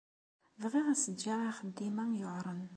Bɣiɣ ad s-ǧǧeɣ axeddim-a yuɛren.